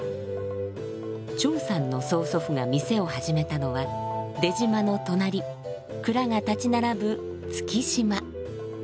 張さんの曽祖父が店を始めたのは出島の隣蔵が立ち並ぶ築島。